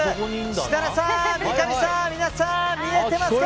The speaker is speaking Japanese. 設楽さん、三上さん、皆さん見えてますか？